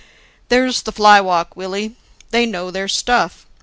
"There's the flywalk, Willie. They know their stuff.